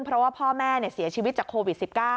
เพราะว่าพ่อแม่เสียชีวิตจากโควิด๑๙